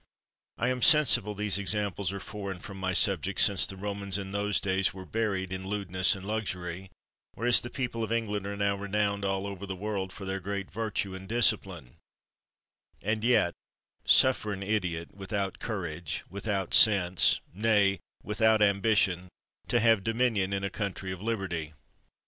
I am sensible these examples are foreign from my subject, since the Romans in those days were buried in lewdness and luxury, whereas the people of England are now renowned all over the world for their great virtue and discipline; and yet — suffer an idiot, without courage, without sense, — nay, without ambition — to have dominion in a country of liberty!